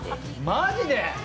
マジで！？